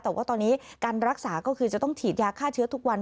แต่ว่าตอนนี้การรักษาก็คือจะต้องฉีดยาฆ่าเชื้อทุกวัน